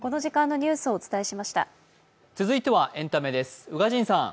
続いてはエンタメです。